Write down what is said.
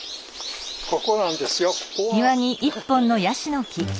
ここなんですよ。